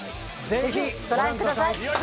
ぜひご覧ください。